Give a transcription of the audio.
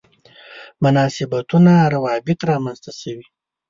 مناسبتونه روابط رامنځته شوي.